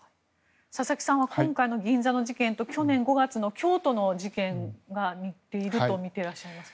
佐々木さんは今回の銀座の事件と去年５月の京都の事件が似ているとみてらっしゃるんですか。